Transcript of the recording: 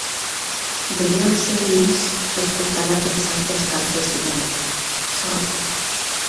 Devíem ser dins escoltant aquells altres cants de sirena, Sol.